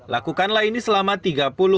lakukanlah ini selama tiga puluh menit